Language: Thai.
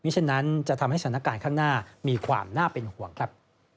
ฉะนั้นจะทำให้สถานการณ์ข้างหน้ามีความน่าเป็นห่วงครับ